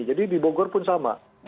jadi di bogor pun sama